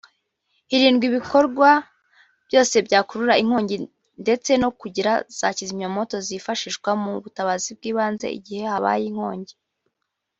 Hirindwa ibikorwa byose byakurura inkongi ndetse no kugira za kizimyamwoto zakwifashishwa mu butabazi bw’ibanze igihe habaye inkongi